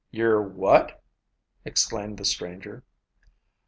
"You're what?" exclaimed the stranger.